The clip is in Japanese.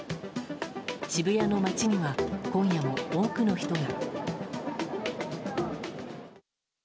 渋谷の街には今夜も多くの人が。